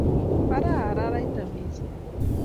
Baraa araraita missing